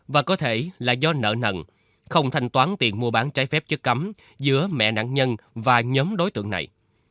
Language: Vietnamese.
và có thể là do nợ nần không thanh toán tiền mua bán trái phép chất cấm giữa mẹ nạn nhân và nhóm đối tượng này